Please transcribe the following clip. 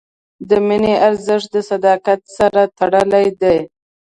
د مینې ارزښت د صداقت سره تړلی دی.